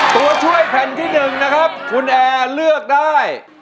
ตัวช่วยแผ่นที่๑นะครับคุณแอร์เลือกได้